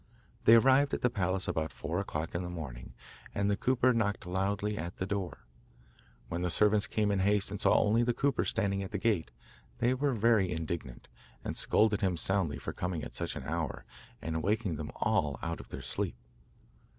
They arrived at the palace about four o'clock in the morning, and the cooper knocked loudly at the door. When the servants came in haste and saw only the cooper standing at the gate, they were very indignant, and scolded him soundly for coming at such an hour and waking them all out of their sleep.